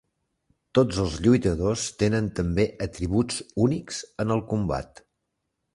Tots els lluitadors tenen també atributs únics en el combat.